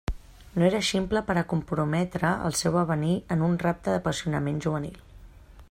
No era ximple per a comprometre el seu avenir en un rapte d'apassionament juvenil.